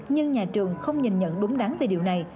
nhưng nhà trường không nhìn nhận đúng đắn về điều này